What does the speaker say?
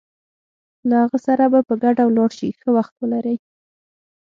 له هغه سره به په ګډه ولاړ شې، ښه وخت ولرئ.